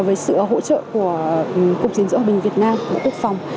với sự hỗ trợ của cục diện giữa hòa bình việt nam cục quốc phòng